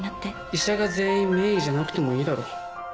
医者が全員名医じゃなくてもいいだろ。